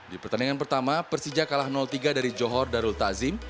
di pertandingan pertama persija kalah tiga dari johor darul tazim